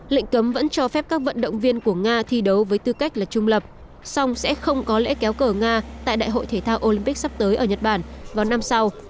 lệnh cấm vẫn cho phép các vận động viên của nga thi đấu với tư cách là trung lập song sẽ không có lễ kéo cờ nga tại đại hội thể thao olympic sắp tới ở nhật bản vào năm sau